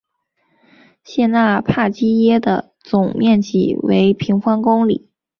谢讷帕基耶的总面积为平方公里。